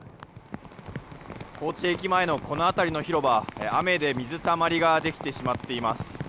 高知駅前のこの辺りの広場雨で水たまりができてしまっています。